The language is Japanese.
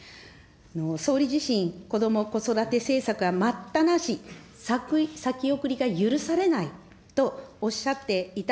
総理自身、こども・子育て政策は待ったなし、先送りが許されないとおっしゃっていた、